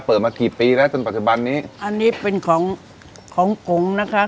มากี่ปีแล้วจนปัจจุบันนี้อันนี้เป็นของของกงนะคะ